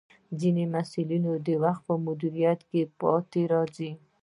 ځینې محصلین د وخت پر مدیریت کې پاتې راځي.